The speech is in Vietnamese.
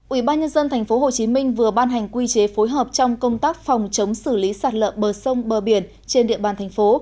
ủy ban nhân dân tp hcm vừa ban hành quy chế phối hợp trong công tác phòng chống xử lý sạt lỡ bờ sông bờ biển trên địa bàn thành phố